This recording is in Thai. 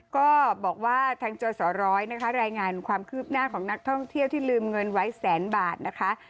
ก็บอกว่าทางจศร้อยนะคะรายงานความคืบหน้าของนักท่องเที่ยวที่ลืมเงินไว้แสนบาทนะคะ